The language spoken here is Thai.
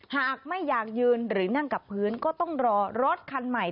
หากไม่อยากยืนหรือนั่งกับพื้นก็ต้องรอรถคันใหม่